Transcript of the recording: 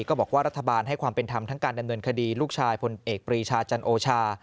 ก็บอกว่ารัฐบาลให้ความเป็นธรรมทั้งการดำเนินคดีลูกชายพลเอกปรีชาจันโอชา